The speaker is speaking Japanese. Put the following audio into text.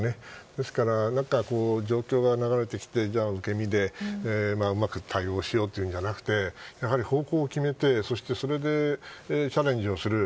ですから状況が流れてきて受け身でうまく対応しようというんじゃなくてやはり方向を決めてそれでチャレンジをする。